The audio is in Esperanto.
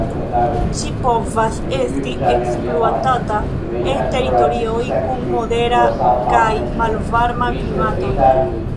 Ĝi povas esti ekspluatata en teritorioj kun modera kaj malvarma klimatoj.